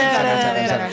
terima kasih para isha